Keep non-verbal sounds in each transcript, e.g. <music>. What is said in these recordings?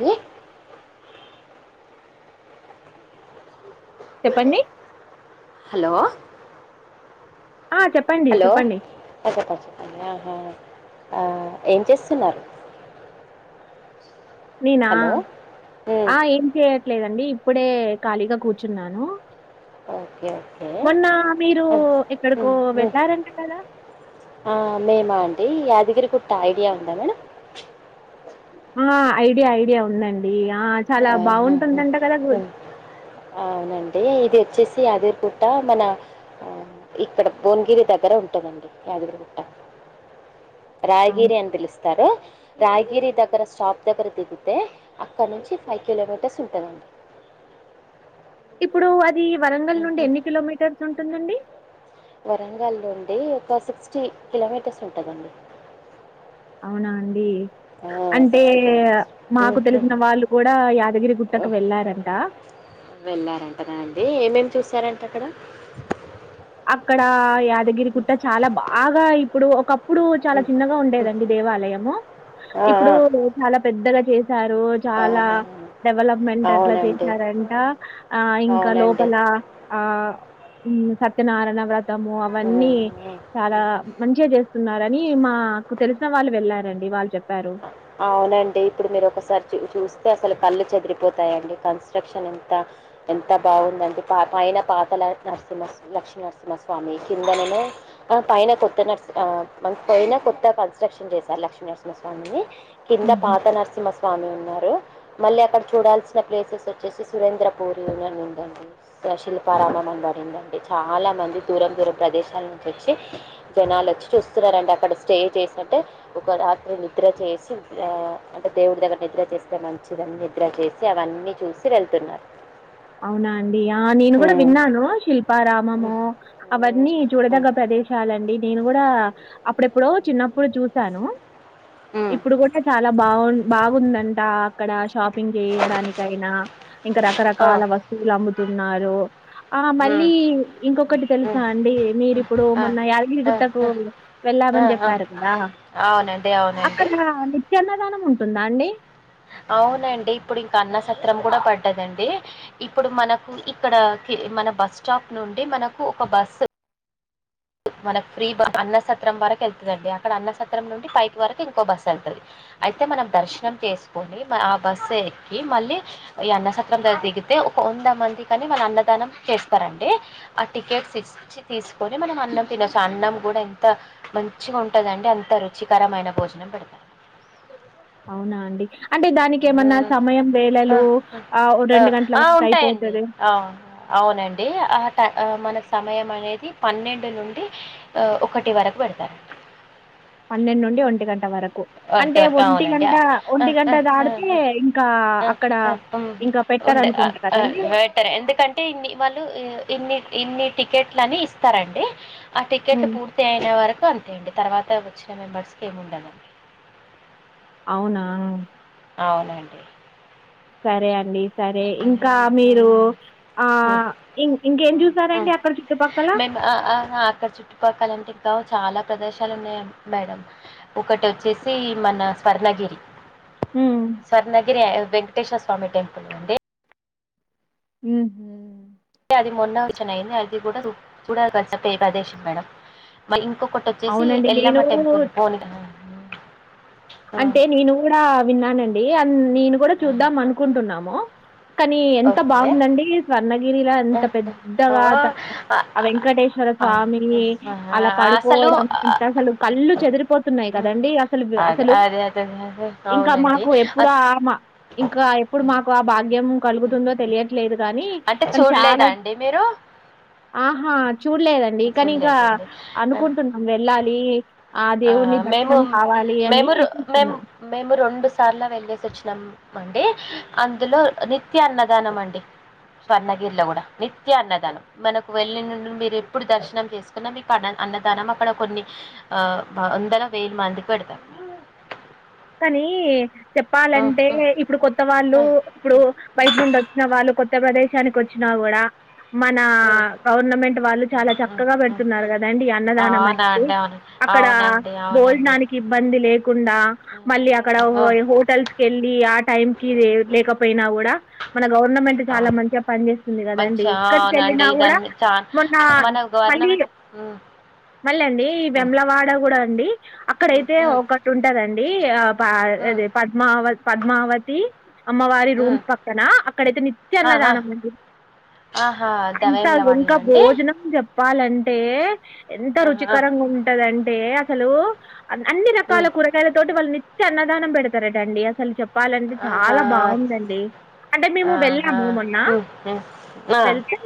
ఇ చెప్పండి హలో ఆ! చెప్పండి. హలో చెప్పండి. చెప్ప <unintelligible> ఆ ఏం చేస్తున్నారు నేనా హలో ఉమ్, ఆ ఏం చేయ లేదండి ఇప్పుడే ఖాళీగా కూర్చున్నాను ఓకే ఓకే మొన్న మీరు ఉ ఎక్కడికో ఉ వెళ్లారంట కదా! అ మేమా అండ్ ఈ యాదగిరి గుట్ట ఐడియా ఉందా మేడం ఆ ఐడియా ఐడియా ఉందండి ఆ చాలా ఆహా, బాగుంటుందంటే కదా గు ఈ ఇది వచ్చేసి యాదగిరిగుట్ట మన అ ఇక్కడ బోవనగిరి దగ్గర ఉంటుందండి యాదగిరిగుట్ట అవును. రాయగిరి అని పిలుస్తారు రాయగిరి దగ్గర షాప్ దగ్గర దిగితే అక్కడ నుంచి ఫైవ్ కిలోమీటర్స్ ఉంటుందండి ఇప్పుడు అది వరంగల్ ఉమ్, ఉమ్. నుండి ఎన్ని కిలోమీటర్స్ ఉంట వుంటుంది అండి వరంగల్ నుండి ఒక సిక్స్టీ కిలోమీటర్స్ ఉంటుందండి అవునా అండి అంటే సిక్స్టీ కిలోమీటర్స్ మాకు తెలిసిన వాళ్ళు కూడా యాదగిరి గుట్టకు వెళ్ళారంట ఎక్కడ అక్కడ యాద దగిరి గుట్ట చాలా బాగా ఇప్పుడు ఒక ప్ ఇప్పుడు చాలా చిన్నగా ఉండేదండి దేవాలయము ఇప్పుడు చాలా పెద్దగా సారు చాలా నేను డెవలప్మెంట్ అట్లా అవునండి చేశారంట ఆ ఇంకా అవునండి లోపల ఆ ఉమ్ స నారాణ వ్రత ము అవన్నీ చాలా మంచిగా చేస్త స్తున్నారని మాకు తెలిసిన వాళ్ళు వెళ్ళారండి వాళ్ళు చెప్ అవునండి ఇప్పుడు మీరు ఒకసారి చూ చూస్తే అసలు కళ్ళు చెదిరిపోతాయంండి కన్స్ట్రక్షన్ ఎంత ఎంత బాగుందంటే పా పైన పాత నరసింహ లక్ష్మీనరసింహస్వామి కిందనను పైన కొత్త నర్సి పైన కొత్త కన్స్ట్రక్షన్ చేశారు లక్ష్మీనరసింహస్వామి అనీ కింద హుహు. పాత నరసింహ స్వామి ఉన్నారు మళ్ళీ అక్కడ చూడాల్సిన ప్లేసెస్ వచ్చేసి సురేంద్రపూరిని ఉందండి శిల్పారామం అన వాడి ఉందండి చాలా మంది దూరం దూరం ప్రదేశాల నుంచి వచ్చి జనాలు వచ్చి చూస్తున్నంటడి అక్కడ స్టే చేసింటే ఒక రాత్రిని నిద్ర చేసి అంటే దేవుడి దగ్గర నిద్ర చేస్తే మంచిదన్ని నిద్ర చేసి అవన్నీ చూసి వెళ్తున్నారు అవునా అండి ఆ నేను కూడా ఉమ్. విన్నాను ఉమ్. శిల్పారామము అవన్నీ చూడదగ్గ ప్రదేశాలండి నేను కూడా అప్పుడెప్పుడు చిన్నప్పుడు చూసాను ఉమ్. ఇప్పుడు కూడా చాలా బాగు బాగుందండి అ అక్కడ షాపింగ్ చేయడానికైనా ఇంకాకరకాల ఆ, కాల వస్తువులు అమ్ముతు ఉన్నారు ఆ ఉమ్, మళ్ళీ ఇంకొకటి తెలుసా ఉమ్, అండి ఉమ్, మీరిప్పుడు ఆ, మొన్న ఆ, యాదగిరిగుట్టకు ఆ, ఆ, వెళ్ళామని ఆ. చెప్పారు కదా అవునండి అవునండి అక్కడ చిన్నదనం ఉంటుందా అండి అవునండి ఇప్పుడు ఇంకా అన్నసత్రం కూడా పడ్డదండి ఇప్పుడు మనకు ఇక్కడ మన బస్ స్టాప్ నుండి మనకు ఒక బస్సు మన ఫ్రీ బస్ అన్నసత్రం వరకు వెళ్తుందిండి అక్కడ అన్నసత్రం నుండి పైపు వరకు ఇంకో బస్ వెళ్తుంది అయితే మనం దర్శనం చేసుకొని ఆ బస్ ఎక్కి మళ్ళీ ఈ అన్నసత్రం దగ్ దిగితే ఒక వంద మంది కాని మన అన్నదానం చేస్తారంండి ఆ టికెట్స్ ఇచ్చి తీసుకొని మనం అన్నం తినస అన్నం కూడా ఎంత మంచిగా ఉంటుందండి అంత రుచికరమైన భోజనం పెడతంది అవునా అండి అంటే దానికి ఏమన్నా సమయం ఆ, వేలలు ఆ రెండు గంటల ఆ, వరకు ఉంటాయండి అయిపోతుంది ఆ, అవునండి ఆ ట- మనకు సమయం అనేది పన్నెండు నుండి ఒకటి వరకు పెడతారం పన్నెండు నుండి ఒంటి గంట వరకు ఒంటి అంటే వర అవునండి దాటితే ఇంకా అక్కడ ఇంకా ఉండ పెట్టరనుకుంట కదండీ! బటర్ ఎందుకంటే ఇన్ని వాళ్ళు ఇన్ని ఇన్ని టికెట్లుని ఇస్తారండి ఆ టికెట్ హ్మ్. పూర్తి అయిన వరకు సో అంతే అండి తర్వాత వచ్చిన మెంబర్స్కి ఏము ఉండాలండి అవునా అవునండి సరే అండి సరే ఇంకా ఉమ్, మీరు ఆ ఇం ఇంకేం చూసారండి అక్కడ చుట్టుపక్కల మేం ఆ ఆ చుట్టుపక్కల అంటే చాలా ప్రదేశాలు ఉన్నాయి మేడం ఒకటి వచ్చేసి మన స్వర్ణగిరి హ్మ్. స్వర్ణగిరి వెంకటేశ్వర స్వామి టెంపుల్ నుండి ఉమ్ అది మొన్న వచ్చన్యింది <unintelligible> అది కూడాచూడ దగ్గ ప్రదేశం మేడం ఇం ఎక్క కొట్ట వచ్చేసి అవునండి నేను ఎల్లమ్మ టెంపుల్ పోలి అంటే నేను కూడా విన్నానండి నేను కూడా ఆ, చూద్దాం అనుకుంటున్నాము <inaudible> కానీ ఎంత ఓకే బాగుందండి స్వర్ణగిరిలో ఆ, ఎంత ఆ, పెద్దగా త ఆ, ఆ వెంకటేశ్వర ఆ, స్వామి అలా ఆ, అసలు పడుకోవడం ఆ, అ అసలు కళ్ళు చెదిరిపోతున్నాయి కదండి అదే అసలు అదే అదే అదే, ఇంకా అవునండి మాకు ఎప్పుడు అస్- ఇంకా ఎప్పుడు మాకు ఆ బాధ ఉమ్ కలుగుతుందో తెలియట్లేదు గానీ అంటే కానీ చూడలేదా చాలా అండి మీరు ఆహా చూడలేదండి కానీ ఇంకా చూడలేదండి ఆ, అనుకుంటున్నాం వెళ్ళాలి ఆ దేవుని దర్శనం కావాలి అని మేము చూస్తున్నాం మేము రెండు సార్లా వెళ్ళేసి వచ్చినాం అండి అందులో నిత్య అన్నదానం అండి స్వర్ణగిరిలో కూడా నిత్య అన్నదానం మనకు వెళ్ళ నుండి మీరు ఎప్పుడు దర్శనం చేసుకున్నా మీకు అన్న అన్నదానం అక్కడ కొన్ని ఆ వందల వేల మందికి పెడతారు కానీ ఉమ్, చెప్పాలంటే ఉమ్, ఇప్పుడు కొత్త వాళ్ళు ఉమ్, ఇప్పుడు ఉమ్, బయట నుండి వచ్చిన వాళ్ళు కొత్త ప్రదేశ్ పనికి వచ్చినా కూడా మన ఉమ్, గవర్నమెంట్ వాళ్ళు చాలా ఉమ్, ఉమ్, చక్కగా ఉమ్. పెడుతున్నారు కదండి ఈ అన్నదానం అవునా అనేది అండి అవును అక్కడ అవునండి అవునండి భోజనానికి ఇబ్బంది లే కుండా మళ్ళీ అక్కడ ఉమ్, హోటల్స్ వెళ్లి ఆ టైం కి లే లేకపోయినా కూడా మన గవర్నమెంట్ చాలా అవును మంచిగా పనిచేస్తుంది కదండి మంచి ఏక్కడికి వెళ్ళినా అవునండి కూడా దాన్ని చా మొన్న మన మళ్ళీ గవర్నమెంట్ ఉమ్, మళ్ళీ అండి ఈ ఉమ్, వెమలవాడ కూడా అండి ఉమ్, అక్కడైతే ఉమ్, ఒకటి ఉంటాదండి ఈ ఆప్ పా ఉమ్, అదే పద్మావ పద్మావతి అమ్మవారి ఉమ్. రూమ్స్ పక్కన అక్కడైతే నిత్య ఆహా అన్నదానం అండి ఆహా అంత దవేంల ఇంకా వాడలా అండి భోజనం చెప్ చెప్పాలంటే ఎంత ఆహా రుచికరంగా ఉంటదం టే అసలు అన్ అన్ని రకాల ఉమ్. కూరగాయల వాళ్ళు నిత్య అన్నదానం పెడతారటండి అసలు చెప్ ఆహా అంటే మేము ఆహా వెళ్ళాము మొన్న హ్మ్ హ్మ్ ఆ వెళ్తే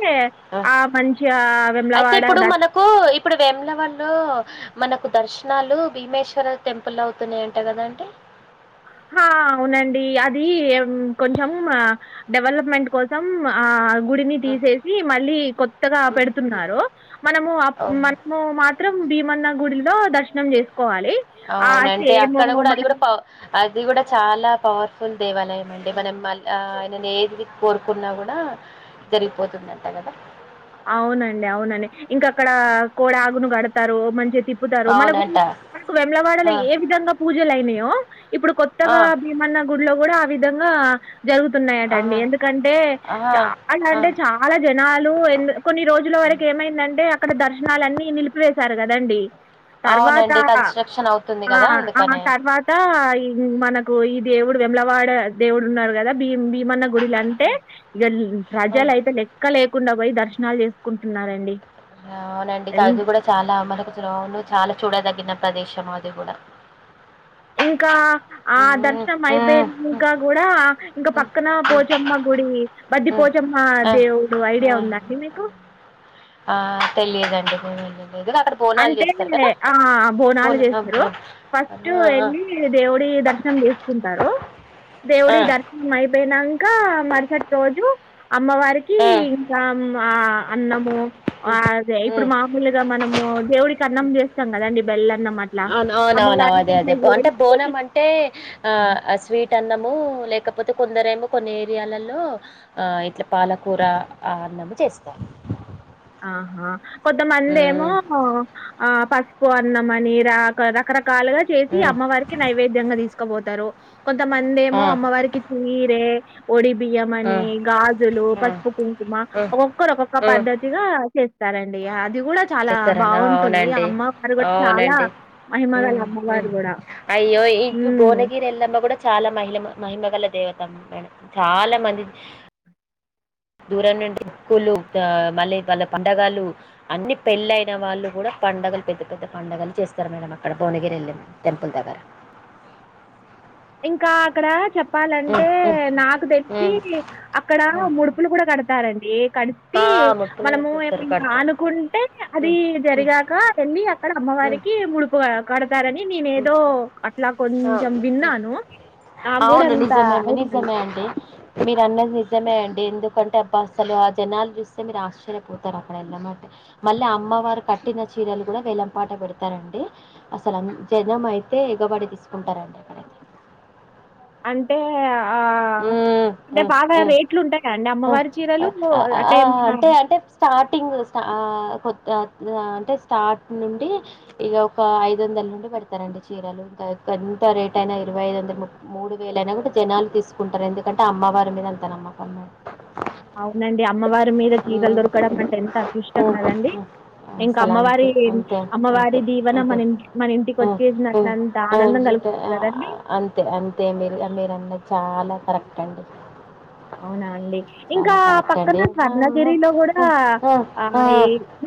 ఆ మంచిగా అయితే ఇప్పుడు వేములవాడ మనకు ఇప్పుడు వేములవాడలో మనకు దర్శ్ నాలు భీమేశ్వర టెంపుల్లో అవుతున్నాయంటా కదా అండి హా అవునండి అది ఉమ్ కొంచెం ఆ డెవలప్మెంట్ కోసం ఉమ్ ఆ గుడిని హ్మ్. తీసేసి మళ్ళీ కొత్తగా హ్మ్. హ్మ్. పెడుతున్నారు మనము అప్ అవును. మనము మాత్రం భీమన్న గుడిలో దర్శనం చేస్ అవునంటే అక్కడ కూడా మన అది కూడా ప అద్ ఇది కూడా చాలా పవర్ఫుల్ దేవాలయం అండి మనం మళ్ల ఆయనను ఏది కోరుకున్నా కూడా జరిగిపోతుందంట కదా అవునండి అవునండి ఇంకా అక్కడ కోడ ఆవును కడతారు మంచిగా తిప్పుతారు మనకు అవునంట. మనకు వేములవాడలో ఆ! ఏ విధంగా పూజలు అయినయో ఇప్పుడు ఆ! కొత్తగా భీమన్న గులో కూడా ఆ విధంగా ఆ ఆ! జరుగుతున్నాయటండి ఎందుకంటే ఆ! చాలా ఆ! అంటే చాలా జనాలు ఎంద్ ఈ రోజుల హ్మ్. వరకు ఏమైందం టే అక్కడ దర్శనాలన్నీ నిలిపివేశారు కదండి తర్వాత అవునండి. కన్‌స్ట్రక్షన్ అవుతుంది ఆ గదా! ఆ అందుకనే. తర్వాత ఈ మనకు ఈ దేవు వేములవాడ దేవుడు ఉన్నారు కదా భీమ్ భీమ్ మన గుడిలు అంటే ఇగ హ్మ్. ప్రజలు అయితే లెక్క లే కుండా పోయి దర్శ్ నాలు చేసుకుంటున్నారండి అవునండి చదువు కూడా చాలా మనకు <unintelligible> చాలా చూడ తగ్గినద్ ప్రదేశం అది కూడా ఇంకా ఆ ఉమ్, దర్శనం ఉమ్, ఉమ్, అయిపోయినంక కూడా ఇంకా ఉమ్, పక్కన పోచమ్మ గుడి బద్దిప్ ఉమ్, పోచమ్మ ఆ దేవుడు ఆ, ఐడియా ఉ ఉందండి మీకు ఆ తెలియదండి పోను అంటే ఆ బోనాలు బోనా చేస్తారు. బోన్ ఫస్ట్ ఆ ఆ వెళ్ళి దేవుడి దర్శనం చేసుకుంటారు. దేవుడి ఉమ్, దర్శనం అయిపోయినంగ్ ఇంకా మరుసటి రోజు అమ్మవారికి ఇంకా ఆ అన్నము అదే ఇప్పుడు మామూలుగా మనము దేవుడికి అన్నం చేస్తాం కదండి బెల్లన్నం అట్లా అ అవునవునవు అమ్మవారికి అదే అదే అట్లా అంటే చేసి బోనం అంటే ఆ స్వీట్ అన్నం లేకపోతే కొందరు ఏమో కొన్ని ఏరియాలల్లో ఇట్లా పాలకూర అన్నం చేస్తారు ఆహ కొంతమందేమో మ్మ్ ఆ పసుపు అన్నమని రా రకరక్ కాలుగా చేసి మ్మ్ అమ్మవారికి నైవేద్యంగా తీసుకపోతారు. కొంతమంది ఏమో ఆ అమ్మవారికి చీరె ఒడి బియ్యం ఆ! అని గాజులు, ఆ! పసుపు, కుంకుమ హ్మ్. ఒకొక్కరు ఒకొక్క పద్దతి. చేస్తారండి ఆ చెప్తారాన ఆ బావుంటుంది. అవునండి అమ్మవారు ఆ గూడా చాలా అవునండి మహిమగల ఉమ్ ఉమ్ అమ్మవారు గూడా. అయ్యో ఇ హ్మ్. బోనగిరి ఎల్లమ్మ కూడా చాలా మహిల మహిమగల దేవత మేడం చాలా మంది దూరం నుండి గుళ్ళు మళ్ళీ వాళ్ళ పండగలు అన్ని పెళ్ళయిన వాళ్ళు, కూడా పండుగలు పెద్ద, పెద్ద పండుగలు చేస్తారు. మేడం అక్కడ భువనగిరి వెళమ్ టెంపుల్ దగ్గర ఇంకా అక్కడ న చెప్ చెప్పాలంటే హ్మ్. హ్మ్. నాకు తెలిసి హ్మ్. అక్కడ హ్మ్. ముడుపులు కూడా కడతారండి. కడిపి ఆ! ముడుపులు మనము కడతారు. ఏమనా కడతారు. అనుకుంటే, అది హ్మ్. హ్మ్. జరిగాక వెళ్ళి అక్కడ హ్మ్. అమ్మవారికి ముడుపు కడతారని, నేను హ్మ్. ఏదో అట్లా కొంచెం ఆ! విన్నా. అవును నిజమే లే నిజమే అండి మీరు అన్నది నిజమే అండి ఎందుకంటే అబ్బ అస్సలు జనాలు చూస్తే మీరు ఆశ్చర్యపోతారు. అక్కడ వెళ్ళమట మళ్ళీ అమ్మవారు కట్టిన చీరలు కూడా వేలంపాట పెడతారండి. అసలు జనం అయితే ఎగబడి తీసుకుంటారంట అక్కడైతే. అంటే ఆ ఉమ్ అంటే ఉమ్ బాగా ఉమ్ రేట్లు ఉంటాయా అండి ఆ! అమ్మవారి ఆ! చీరలు ఆహ్, అంటే ఆహ్, ఏమన్న అ అంటే స్టాటింగ్ నుండి ఇక ఒక ఐదు వందల నుండి పెడతారండి. చీరలు ఎంత రేట్ అయినా, ఇరవై ఐదు వందలు, మూడు వేల అయినా కూడా జనాలు తీసుకు కుంటరు ఎందుకంటే అమ్మవారి మీద అంత నమ్మకం అవునండి అమ్మవారి మీద చీరలు హ్మ్. దొరకడం హ్మ్. అంటే ఎంత అదృష్టం హ్మ్. కదండి. హ్మ్. ఇంకా అసలు అమ్మవారి అంతే. అంతే. అంతే. అమ్మవారి దీవెన అంతే. మన ఇమ్ మన ఇంటికి ఆ! వచ్చేసిదంట హ్మ్. అంత ఆ! ఆనందం జుట్టు కలుగుతుంది కదండి. ఆహ్, అ కరెక్ట్ అండి అవునా అండి ఇంకా చాలా కరెక్ట్ పక్కన అండి. ఆ! స్వర్ణగిరిలో కూడా ఆ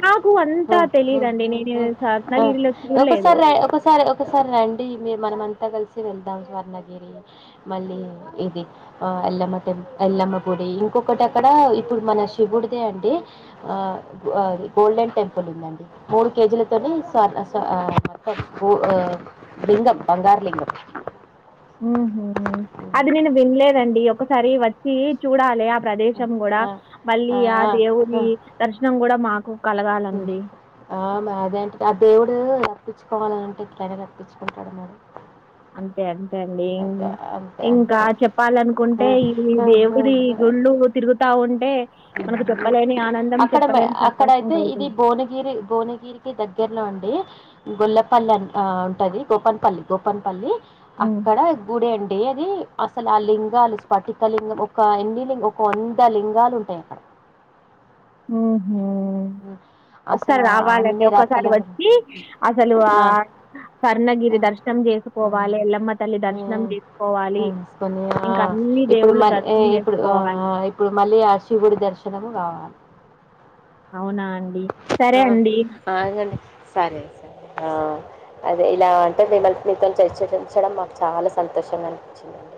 నాకు ఆ, అంతా ఆ, తెలిదండి. ఆ, నేను ఆ, ఆ. స్వర్ణగిరిలో చూడలేదు. ఒకసారి ర- ఒకసారి ఒకసారి రండి మీ మనమంతా కలిసి వెళ్దాం స్వర్ణగిరి మళ్ళీ ఇది ఆ ఎల్లమ్మ టె ఎల్లమ్మ గుడి ఇంకొకటి అక్కడ ఇప్పుడు మన శివుడిదే అండి ఆ గోల్డెన్ టెంపుల్ ఉందండి మూడు కేజీలతోనే లింగం బంగారు లింగం ఉ హు అది నేను వినలేదండి ఒకసారి వచ్చి చూడాలె ప్రదేశం కూడా ఆ, మళ్ళీ ఆ దేవుడి దర్శనం కూడా మాకు కలగాలండి ఆ మాదేంట అ దేవుడు తప్పించుకోవాల అంటే ఇక్కడైనా కప్పించుకుంటాడు మేడమ్ అంతే అండి అంతే ఇంకా అంతే చెప్పాలనుకుంటే ఈ దేవుడి గుళ్ళు తిరుగుతా ఉంటే అ అక్కడ సంతోషం అక్కడయితే ఇది కలుగుతుంది భువనగిరి భువనగిరికి దగ్గర్లో అండి గొల్లపల్లి అ ఉంటది గోపన్పల్లి గోపన్పల్లి ఉమ్. అక్కడ గుడి అండి అది అసలు ఆ లింగాలు స్ఫటిక లింగం ఒక ఎన్ని లింగ ఒక వంద లింగాలు ఉంటాయి అక్కడ ఆ ఉమ్. అసలు ఒకసారి ఆ రావాలండి అన్ని రకాల ఒకసారి వచ్చి అసలు ఆ ఆ, స్ర్ణగిరి దర్శనం ఆ, చేసుకోవాలి ఎల్లమ్మ తల్లి దర్శనం ఆ, చేసుకోవాలి వేసుకొని, ఆ, ఇంకా అన్ని ఇప్పుడు దేవుళ్ళ మళ్ళీ దర్శనం ఇప్పుడు ఆ, చేసుకోవాలి ఇప్పుడు మళ్ళీ ఆ శివుడి దర్శనము కావాలి అవునా అండి సరే ఆ అండి ఆగండి సరే సరే అదే ఇలా అంటే మిమ్మల్ మీతో చర్చించడం మాకు చాలా సంతోషంగా అనిపించిందండి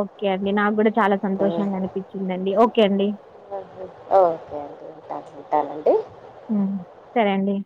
ఓకే అండి నా కూడా చాలా ఉమ్. సంతోషంగా అనిపించిందండి ఓకే అండి ఓకే అండి ఉంటాను ఉంటానండి సరే అండి